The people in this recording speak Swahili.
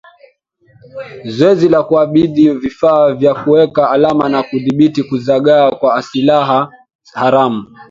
zoezi la kukabidhi vifaa vya kuweka alama na kudhibiti kuzagaa kwa silaha haramu